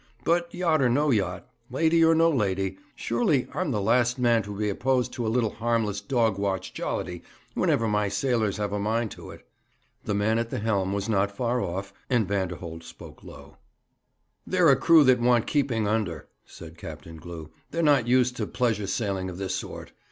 But, yacht or no yacht, lady or no lady, surely I'm the last man to be opposed to a little harmless dog watch jollity whenever my sailors have a mind to it.' The man at the helm was not far off, and Vanderholt spoke low. 'They're a crew that want keeping under,' said Captain Glew. 'They're not used to pleasure sailing of this sort.